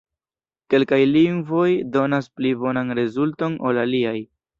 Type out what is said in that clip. Kelkaj lingvoj donas pli bonan rezulton ol aliaj.